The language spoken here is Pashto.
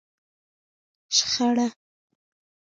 شخړه